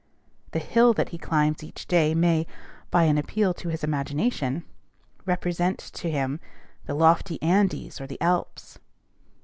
The hill that he climbs each day may, by an appeal to his imagination, represent to him the lofty Andes or the Alps.